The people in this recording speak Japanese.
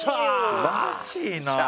すばらしいな。